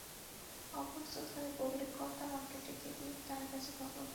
অপ্রস্তুত হয়ে বললে, কর্তা-মাকে ডেকে দিই, তাঁর কাছে খবর পাবেন।